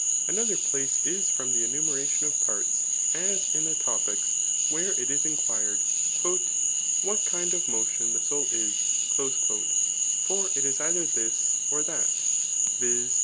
Another place is from [the enumeration of] parts, as in the Topics [where it is inquired,^ ^* What kind of mo tion the soul is;'' for it is either this, or that, [viz.